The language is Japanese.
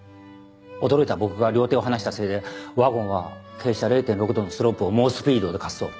驚いた僕が両手を離したせいでワゴンは傾斜０．６度のスロープを猛スピードで滑走。